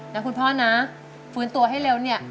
นะคุณพ่อนะฟื้นตัวให้เร็วเนี่ย